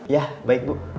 ya baik bu